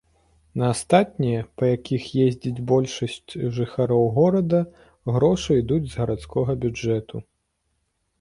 На астатнія, па якіх ездзіць большасць жыхароў горада, грошы ідуць з гарадскога бюджэту.